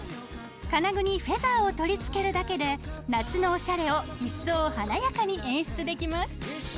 金具にフェザーを取りつけるだけで夏のオシャレを一層華やかに演出できます。